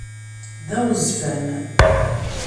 D aɣezfan.